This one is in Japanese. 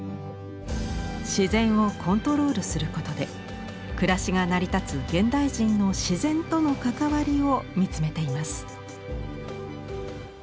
自然をコントロールすることで暮らしが成り立つ現代人の自然との関わりを見つめています。